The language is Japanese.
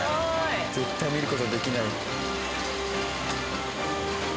絶対見る事できない。